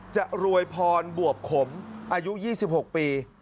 จะรวยพรบวบขมอายุ๒๖ปี